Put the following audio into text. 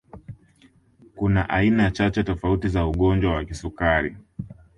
Kuna aina chache tofauti za ugonjwa wa kisukari